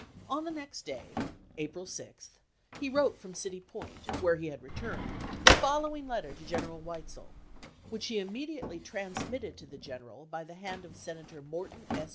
On the next day (April 6) he wrote from City Point, where he had returned, the following letter to General Weitzel, which he im mediately transmitted to the general by the hand of Senator Morton S.